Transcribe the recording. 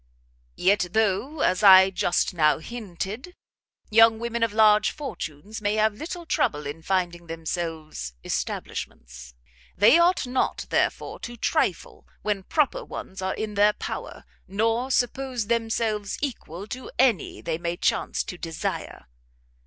"Yet though, as I just now hinted, young women of large fortunes may have little trouble in finding themselves establishments, they ought not, therefore, to trifle when proper ones are in their power, nor to suppose themselves equal to any they may chance to desire."